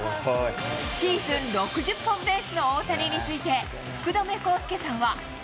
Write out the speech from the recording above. シーズン６０本ペースの大谷について、福留孝介さんは。